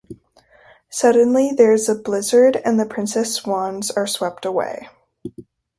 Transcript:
Suddenly there is a blizzard, and the Princess-Swans are swept away.